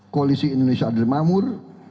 koalisi indonesia adil makmur